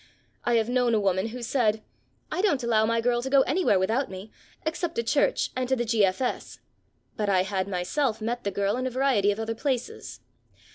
I have known a woman who said, "I don't allow my girl to go anywhere without me, except to church and to the G.F.S."; but I had myself met the girl in a variety of other places.